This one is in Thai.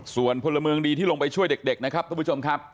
ส่วนพลเมืองดีที่ลงไปช่วยเด็กนะครับทุกผู้ชมครับ